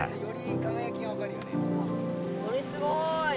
これすごい。